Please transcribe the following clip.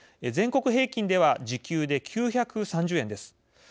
全国平均では時給で９３０円です。